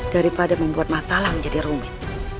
daripada membuat masalah menjadi rumit